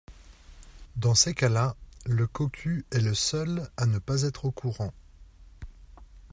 dans ces cas-là le cocu est le seul à ne pas être au courant.